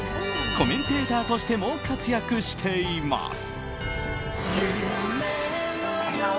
コメンテーターとしても活躍しています。